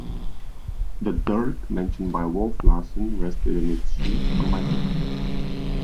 The dirk mentioned by Wolf Larsen rested in its sheath on my hip.